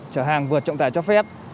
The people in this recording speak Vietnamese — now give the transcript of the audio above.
chở hàng vượt trọng tài cho phép